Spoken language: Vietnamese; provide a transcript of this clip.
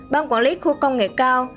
ban quản lý khu công nghệ cao